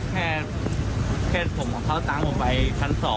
แค่เพศผมของเขาตามผมไปครั้ง๒